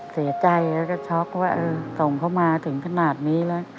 เสียใจแล้วก็ช็อกว่าส่งเข้ามาถึงขนาดนี้แล้ว